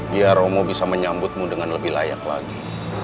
biar romo bisa menyambutmu dengan lebih layak lagi